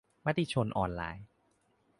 มติชนออนไลน์